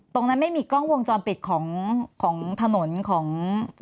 ตรงนั้นไม่มีกล้องวงจอมปิดของถนนของ